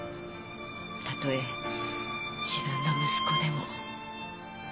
たとえ自分の息子でも。